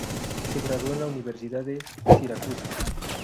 Se graduó en la Universidad de Siracusa.